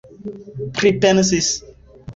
pripensis